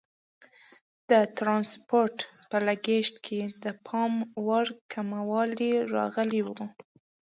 د ټرانسپورټ په لګښت کې د پام وړ کموالی راغلی وو.